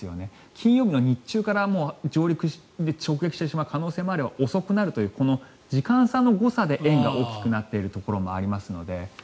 金曜日の日中からもう上陸、直撃する可能性もあれば遅くなるというこの時間差の誤差で円が大きくなっているところもありますので。